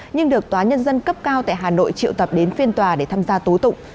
nhưng được tòa nhân dân cấp cao tại hà nội triệu tập đến phiên tòa để tham gia tố tụng